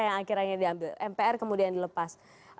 yang akhirnya diambil mpr kemudian dilepas